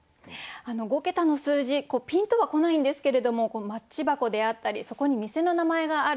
「五桁の数字」ピンとは来ないんですけれどもマッチ箱であったりそこに店の名前がある。